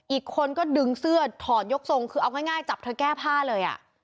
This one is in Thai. อีกคนก็ดึงเสื้อถอดยกทรงคือเอาง่ายจับเธอแก้ผ้าเลย